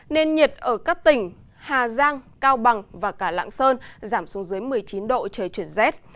nên nhiệt ở các tỉnh hà giang cao bằng và cả lạng sơn giảm xuống dưới một mươi chín độ trời chuyển rét